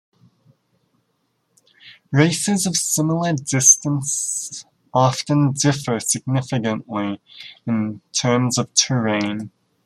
Races of similar distance often differ significantly in terms of terrain.